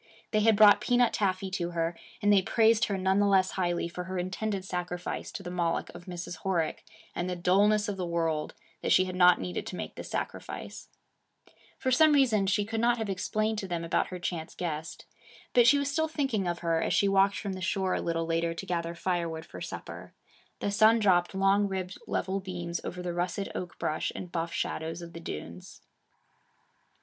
They had brought peanut taffy to her, and they praised her none the less highly for her intended sacrifice to the Moloch of Mrs. Horick and the dullness of the world that she had not needed to make this sacrifice. For some reason, she could not have explained to them about her chance guest. But she was still thinking of her, as she walked from the shore a little later to gather firewood for supper. The sun dropped long ribbed level beams over the russet oak brush and buff shadows of the dunes.